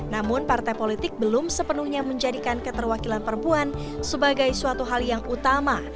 namun partai politik belum sepenuhnya menjadikan keterwakilan perempuan sebagai suatu hal yang utama